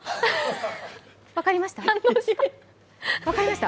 分かりました？